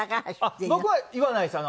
僕は言わないです。